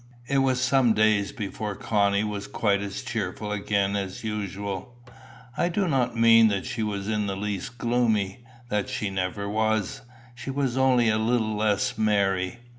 It was some days before Connie was quite as cheerful again as usual. I do not mean that she was in the least gloomy that she never was; she was only a little less merry.